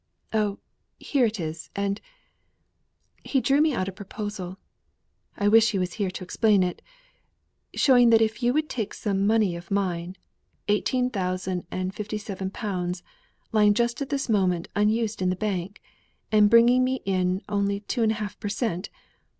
"Oh! here it is! and he drew me out a proposal I wish he was here to explain it showing that if you would take some money of mine, eighteen hundred and fifty seven pounds, lying just at this moment unused in the bank, and bringing me in only two and a half per cent.